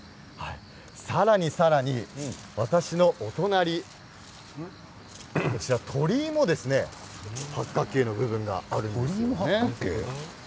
さらにさらに、私のお隣鳥居も八角形の部分があります。